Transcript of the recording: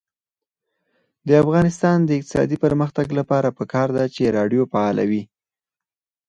د افغانستان د اقتصادي پرمختګ لپاره پکار ده چې راډیو فعاله وي.